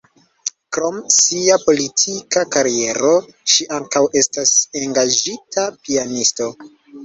Krom sia politika kariero, ŝi ankaŭ estas engaĝita pianisto.